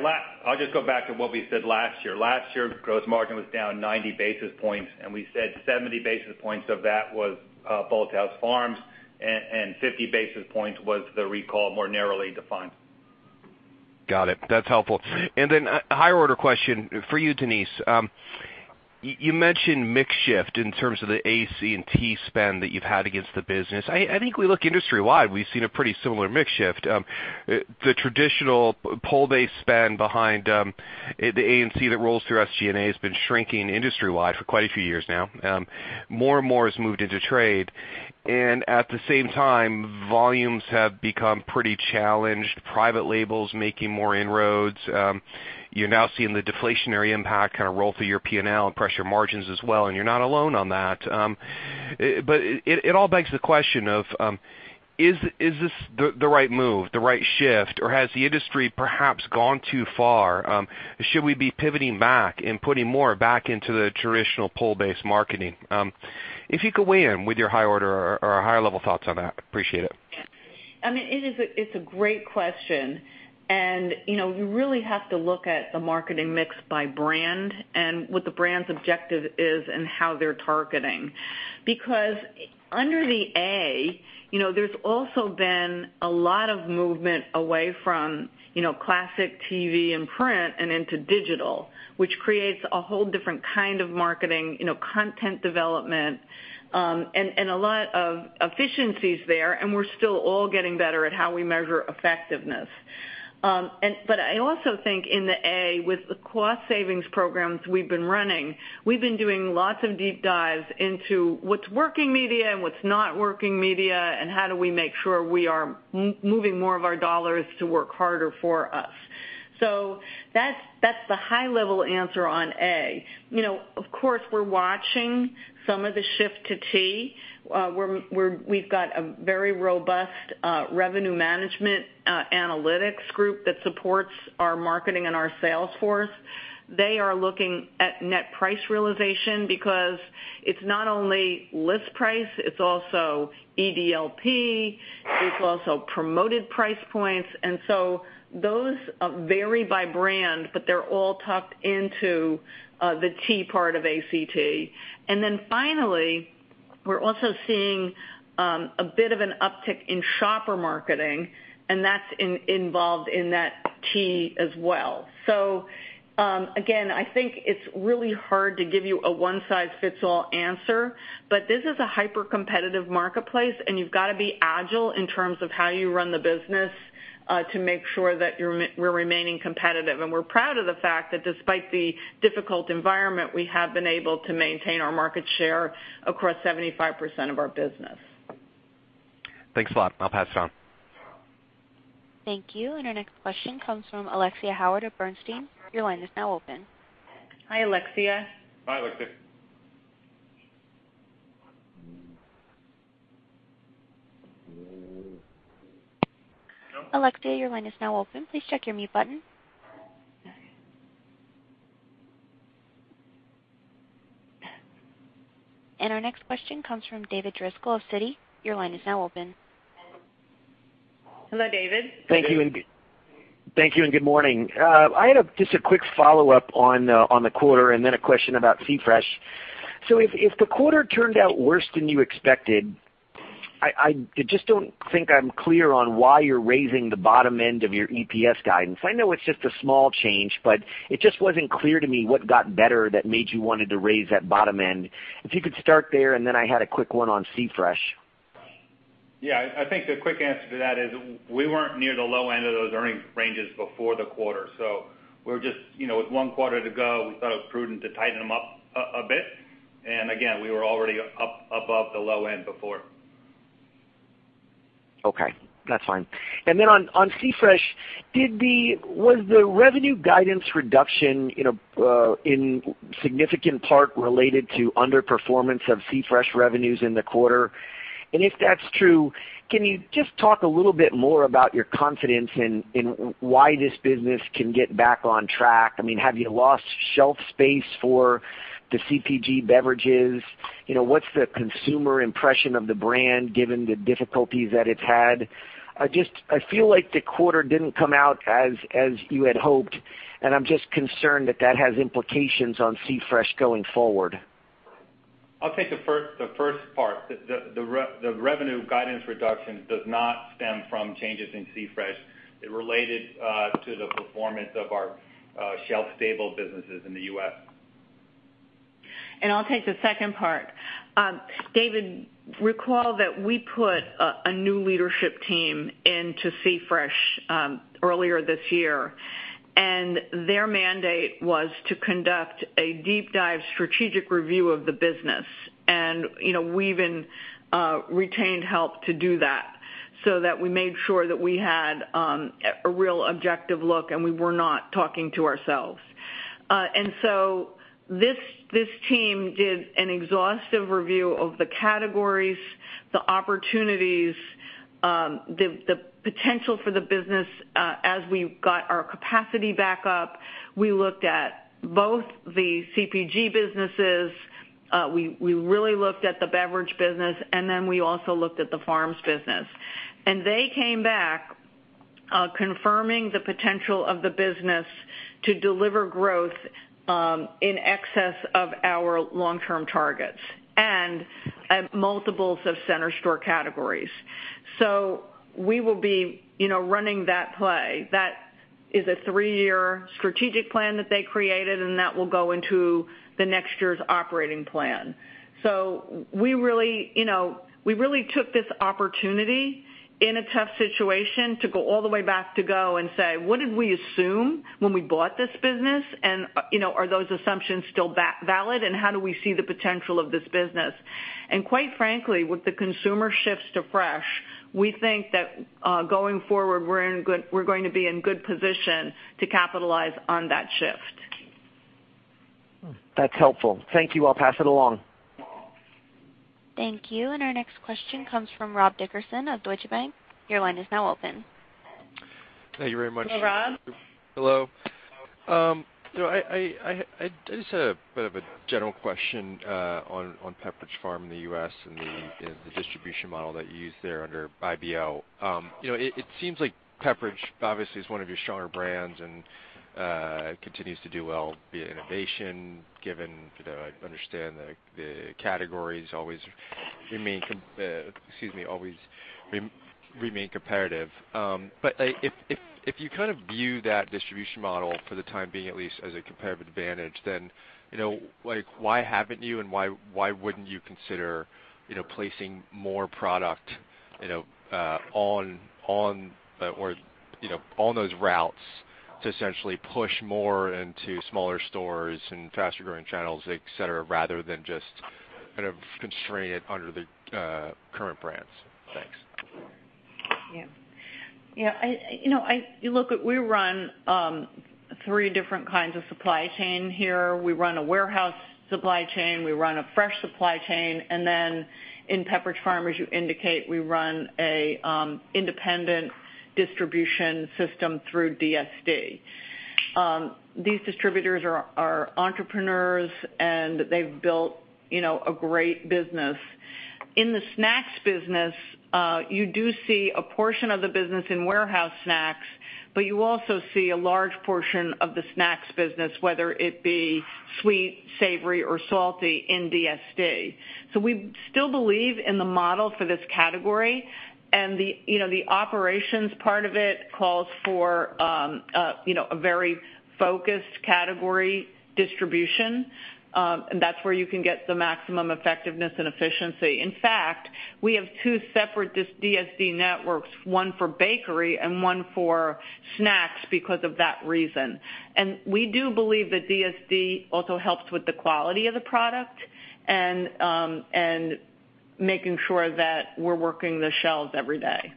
I'll just go back to what we said last year. Last year, gross margin was down 90 basis points, and we said 70 basis points of that was Bolthouse Farms, and 50 basis points was the recall, more narrowly defined. Got it. That's helpful. A higher order question for you, Denise. You mentioned mix shift in terms of the A&C spend that you've had against the business. I think we look industry-wide, we've seen a pretty similar mix shift. The traditional pull-based spend behind the A&C that rolls through SG&A has been shrinking industry-wide for quite a few years now. More and more has moved into trade, and at the same time, volumes have become pretty challenged, private labels making more inroads. You're now seeing the deflationary impact roll through your P&L and pressure margins as well, and you're not alone on that. It all begs the question of, is this the right move, the right shift, or has the industry perhaps gone too far? Should we be pivoting back and putting more back into the traditional pull-based marketing? If you could weigh in with your high order or higher level thoughts on that, appreciate it. Yeah. It's a great question. You really have to look at the marketing mix by brand and what the brand's objective is and how they're targeting. Under the A, there's also been a lot of movement away from classic TV and print and into digital, which creates a whole different kind of marketing, content development, and a lot of efficiencies there, and we're still all getting better at how we measure effectiveness. I also think in the A, with the cost savings programs we've been running, we've been doing lots of deep dives into what's working media and what's not working media, and how do we make sure we are moving more of our $ to work harder for us. That's the high level answer on A. Of course, we're watching some of the shift to T. We've got a very robust revenue management analytics group that supports our marketing and our sales force. They are looking at net price realization because it's not only list price, it's also EDLP, it's also promoted price points. Those vary by brand, but they're all tucked into the T part of ACT. Finally, we're also seeing a bit of an uptick in shopper marketing, and that's involved in that T as well. Again, I think it's really hard to give you a one size fits all answer, but this is a hyper-competitive marketplace, and you've got to be agile in terms of how you run the business to make sure that we're remaining competitive. We're proud of the fact that despite the difficult environment, we have been able to maintain our market share across 75% of our business. Thanks a lot. I'll pass it on. Thank you. Our next question comes from Alexia Howard of Bernstein. Your line is now open. Hi, Alexia. Hi, Alexia. Alexia, your line is now open. Please check your mute button. Our next question comes from David Driscoll of Citi. Your line is now open. Hello, David. David. Thank you and good morning. I had just a quick follow-up on the quarter, then a question about C-Fresh. If the quarter turned out worse than you expected, I just don't think I'm clear on why you're raising the bottom end of your EPS guidance. I know it's just a small change, it just wasn't clear to me what got better that made you wanted to raise that bottom end. If you could start there, then I had a quick one on C-Fresh. I think the quick answer to that is we weren't near the low end of those earnings ranges before the quarter. With one quarter to go, we thought it was prudent to tighten them up a bit. Again, we were already up above the low end before. Okay, that's fine. On C-Fresh, was the revenue guidance reduction in significant part related to underperformance of C-Fresh revenues in the quarter? If that's true, can you just talk a little bit more about your confidence in why this business can get back on track? Have you lost shelf space for the CPG beverages? What's the consumer impression of the brand, given the difficulties that it's had? I feel like the quarter didn't come out as you had hoped, and I'm just concerned that that has implications on C-Fresh going forward. I'll take the first part. The revenue guidance reduction does not stem from changes in C-Fresh. It related to the performance of our shelf-stable businesses in the U.S. I'll take the second part. David, recall that we put a new leadership team into C-Fresh earlier this year, their mandate was to conduct a deep dive strategic review of the business. We even retained help to do that so that we made sure that we had a real objective look, we were not talking to ourselves. This team did an exhaustive review of the categories, the opportunities, the potential for the business as we got our capacity back up. We looked at both the CPG businesses, we really looked at the beverage business, we also looked at the farms business. They came back confirming the potential of the business to deliver growth in excess of our long-term targets and at multiples of center store categories. We will be running that play. That is a three-year strategic plan that they created, that will go into the next year's operating plan. We really took this opportunity in a tough situation to go all the way back to go and say, "What did we assume when we bought this business? Are those assumptions still valid, how do we see the potential of this business?" Quite frankly, with the consumer shifts to fresh, we think that going forward, we're going to be in good position to capitalize on that shift. That's helpful. Thank you. I'll pass it along. Thank you. Our next question comes from Rob Dickerson of Deutsche Bank. Your line is now open. Thank you very much. Hello, Rob. Hello. I just have a bit of a general question on Pepperidge Farm in the U.S. and the distribution model that you use there under IBL. It seems like Pepperidge obviously is one of your stronger brands and continues to do well via innovation, given that I understand the categories always remain comparative. If you view that distribution model for the time being, at least as a comparative advantage, why haven't you and why wouldn't you consider placing more product on those routes to essentially push more into smaller stores and faster-growing channels, et cetera, rather than just constrain it under the current brands? Thanks. Yeah. Look, we run three different kinds of supply chain here. We run a warehouse supply chain, we run a fresh supply chain, in Pepperidge Farm, as you indicate, we run an independent distribution system through DSD. These distributors are entrepreneurs, and they've built a great business. In the snacks business, you do see a portion of the business in warehouse snacks, you also see a large portion of the snacks business, whether it be sweet, savory, or salty, in DSD. We still believe in the model for this category, and the operations part of it calls for a very focused category distribution. That's where you can get the maximum effectiveness and efficiency. In fact, we have two separate DSD networks, one for bakery and one for snacks because of that reason. We do believe that DSD also helps with the quality of the product and making sure that we're working the shelves every day.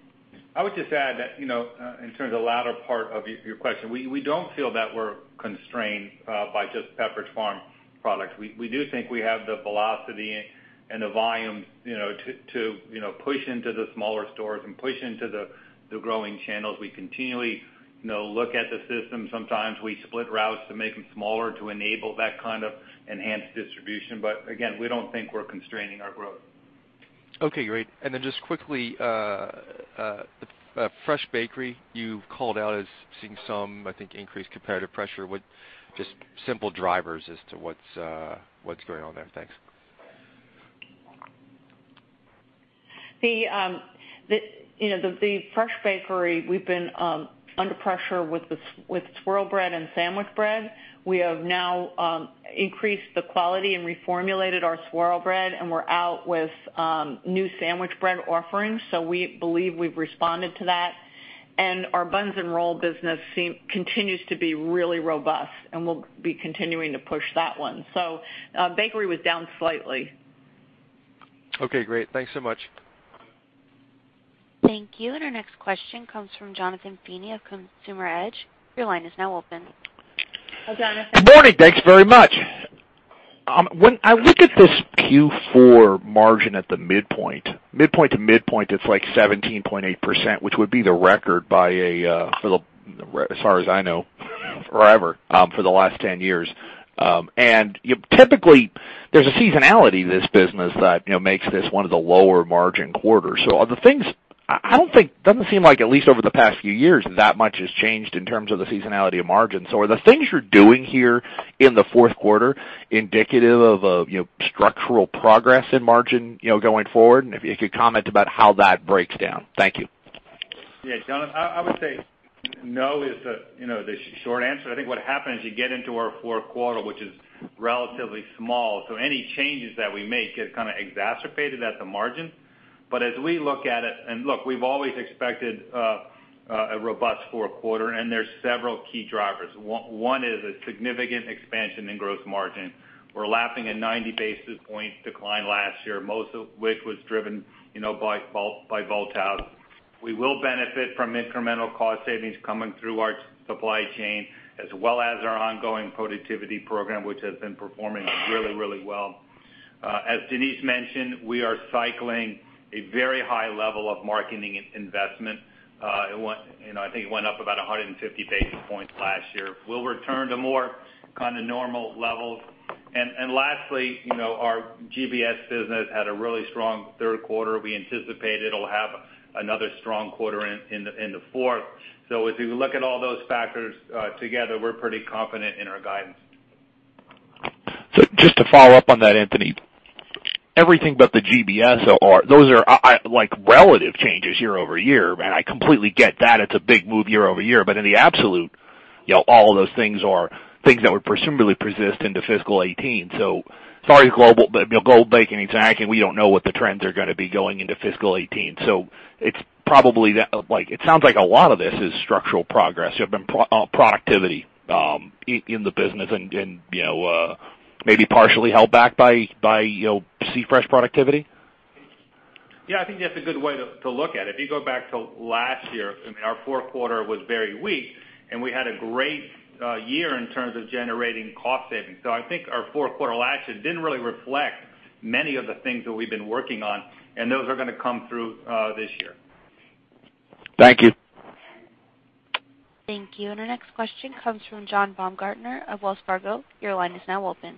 I would just add that in terms of the latter part of your question, we don't feel that we're constrained by just Pepperidge Farm products. We do think we have the velocity and the volume to push into the smaller stores and push into the growing channels. We continually look at the system. Sometimes we split routes to make them smaller to enable that kind of enhanced distribution. Again, we don't think we're constraining our growth. Okay, great. Then just quickly, Fresh Bakery, you've called out as seeing some, I think, increased competitive pressure. Just simple drivers as to what's going on there. Thanks. The Fresh Bakery, we've been under pressure with swirl bread and sandwich bread. We have now increased the quality and reformulated our swirl bread, we're out with new sandwich bread offerings, we believe we've responded to that. Our buns and roll business continues to be really robust, we'll be continuing to push that one. Bakery was down slightly. Okay, great. Thanks so much. Thank you. Our next question comes from Jonathan Feeney of Consumer Edge. Your line is now open. Hi, Jonathan. Good morning. Thanks very much. When I look at this Q4 margin at the midpoint to midpoint, it's like 17.8%, which would be the record by a, for the, as far as I know, forever, for the last 10 years. Typically, there's a seasonality to this business that makes this one of the lower margin quarters. Are the things I don't think, doesn't seem like at least over the past few years, that much has changed in terms of the seasonality of margins. Are the things you're doing here in the fourth quarter indicative of structural progress in margin, going forward? If you could comment about how that breaks down. Thank you. Yeah. Jonathan, I would say no is the short answer. I think what happens, you get into our fourth quarter, which is relatively small, so any changes that we make get kind of exacerbated at the margin. As we look at it, and look, we've always expected a robust fourth quarter, and there's several key drivers. One is a significant expansion in gross margin. We're lapping a 90-basis point decline last year, most of which was driven by Bolthouse. We will benefit from incremental cost savings coming through our supply chain, as well as our ongoing productivity program, which has been performing really, really well. As Denise mentioned, we are cycling a very high level of marketing investment. I think it went up about 150 basis points last year. We'll return to more kind of normal levels. Lastly, our GBS business had a really strong third quarter. We anticipate it'll have another strong quarter in the fourth. As you look at all those factors, together, we're pretty confident in our guidance. Just to follow up on that, Anthony, everything but the GBS, those are like relative changes year-over-year, and I completely get that it's a big move year-over-year. In the absolute, all those things are things that would presumably persist into fiscal 2018. Sorry, global, but Global Biscuits and Snacks, we don't know what the trends are going to be going into fiscal 2018. It's probably that, like, it sounds like a lot of this is structural progress. You have been productivity, in the business and maybe partially held back by C-Fresh productivity? Yeah, I think that's a good way to look at it. If you go back to last year, I mean, our fourth quarter was very weak, and we had a great year in terms of generating cost savings. I think our fourth quarter last year didn't really reflect many of the things that we've been working on, and those are going to come through this year. Thank you. Thank you. Our next question comes from John Baumgartner of Wells Fargo. Your line is now open.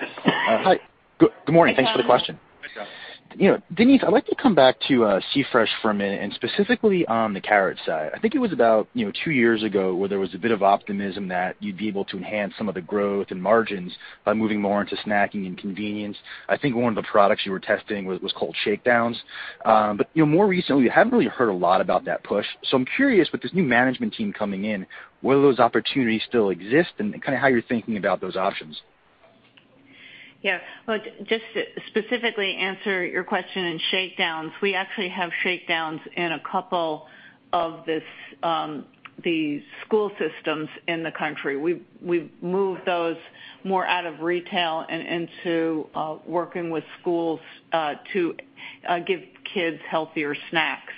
Hi. Good morning. Thanks for the question. Hi, John. Denise, I'd like to come back to C-Fresh for a minute, and specifically on the carrot side. I think it was about two years ago where there was a bit of optimism that you'd be able to enhance some of the growth and margins by moving more into snacking and convenience. I think one of the products you were testing was called Shakedowns. More recently, we haven't really heard a lot about that push. I'm curious, with this new management team coming in, will those opportunities still exist and kind of how you're thinking about those options? Yeah. Well, just to specifically answer your question in Shakedowns, we actually have Shakedowns in a couple of these school systems in the country. We've moved those more out of retail and into working with schools to give kids healthier snacks.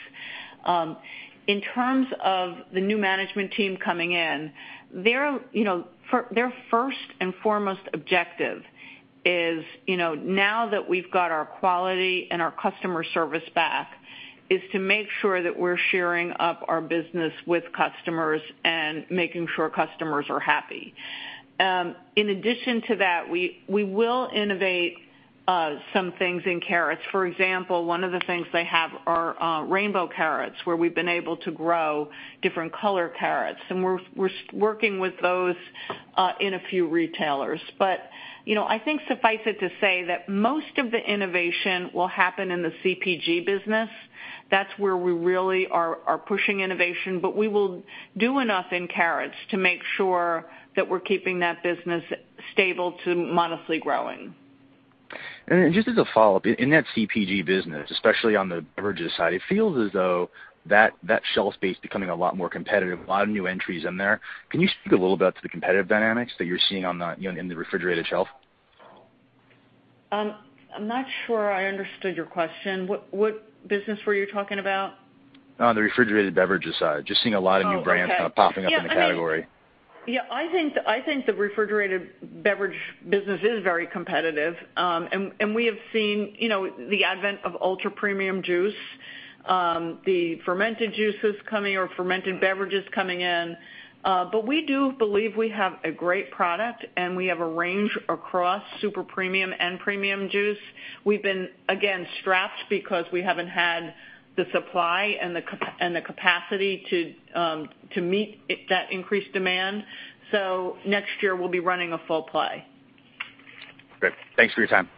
In terms of the new management team coming in, their first and foremost objective is, now that we've got our quality and our customer service back, is to make sure that we're shoring up our business with customers and making sure customers are happy. In addition to that, we will innovate some things in carrots. For example, one of the things they have are rainbow carrots, where we've been able to grow different color carrots, and we're working with those in a few retailers. I think suffice it to say that most of the innovation will happen in the CPG business. That's where we really are pushing innovation, but we will do enough in carrots to make sure that we're keeping that business stable to modestly growing. Just as a follow-up, in that CPG business, especially on the beverages side, it feels as though that shelf space is becoming a lot more competitive, a lot of new entries in there. Can you speak a little about the competitive dynamics that you're seeing in the refrigerated shelf? I'm not sure I understood your question. What business were you talking about? On the refrigerated beverages side. Just seeing a lot of new brands Oh, okay popping up in the category. Yeah. I think the refrigerated beverage business is very competitive. We have seen the advent of ultra-premium juice, fermented beverages coming in. We do believe we have a great product, and we have a range across super premium and premium juice. We've been, again, strapped because we haven't had the supply and the capacity to meet that increased demand. Next year we'll be running a full play. Great. Thanks for your time.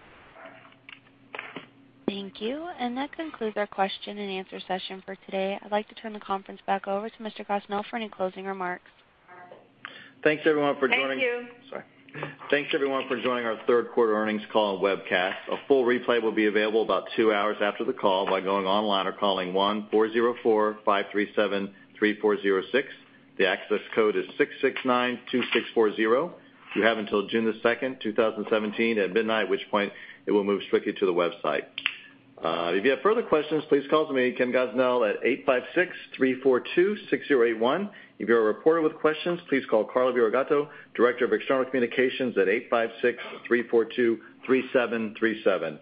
Thank you. That concludes our question-and-answer session for today. I'd like to turn the conference back over to Mr. Gosnell for any closing remarks. Thanks, everyone, for joining. Thank you. Sorry. Thanks, everyone, for joining our third quarter earnings call and webcast. A full replay will be available about two hours after the call by going online or calling 1-404-537-3406. The access code is 6692640. You have until June the 2nd, 2017, at midnight, at which point it will move strictly to the website. If you have further questions, please call me, Ken Gosnell, at 856-342-6081. If you're a reporter with questions, please call Megan Haney, Director of External Communications, at 856-342-3737.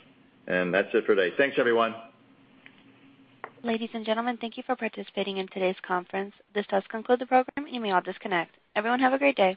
That's it for today. Thanks, everyone. Ladies and gentlemen, thank you for participating in today's conference. This does conclude the program. You may all disconnect. Everyone have a great day.